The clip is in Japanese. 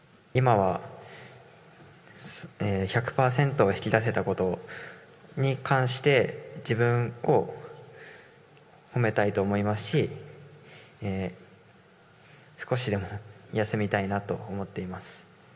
今は１００％を引き出せたことに関して、自分を褒めたいと思いますし、少しでも休みたいなと思っています。